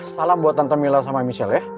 salam buat tante mila sama michelle